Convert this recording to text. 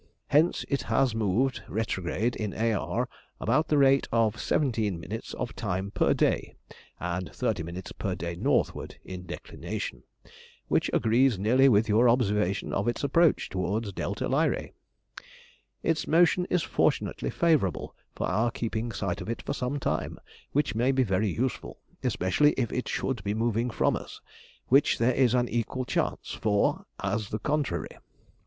Hence it has moved retrograde in A. R. about the rate of 17ʹ of time per day, and 30ʹ per day northward in declination, which agrees nearly with your observation of its approach towards δ Lyræ. Its motion is fortunately favourable for our keeping sight of it for some time, which may be very useful, especially if it should be moving from us, which there is an equal chance for, as the contrary.